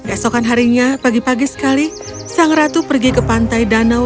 esokan harinya pagi pagi sekali sang ratu pergi ke pantai danau